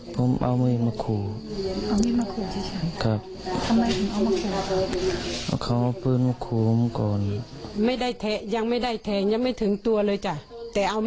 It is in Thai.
ตอนที่เรียกเขาฝังใจที่ตอนมีเรื่องกันตอนนั้น